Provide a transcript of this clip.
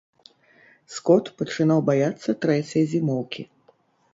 Скот пачынаў баяцца трэцяй зімоўкі.